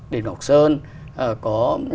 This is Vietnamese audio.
đền học sơn có